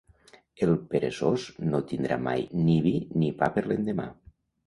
El peresós no tindrà mai ni vi ni pa per l'endemà.